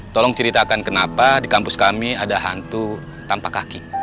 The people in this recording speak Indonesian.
tolong ceritakan kenapa di kampus kami ada hantu tanpa kaki